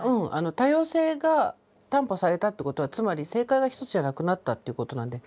多様性が担保されたってことはつまり正解が一つじゃなくなったっていうことなんで。